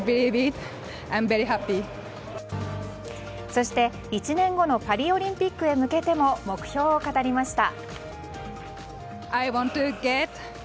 そして１年後のパリオリンピックへ向けても目標を語りました。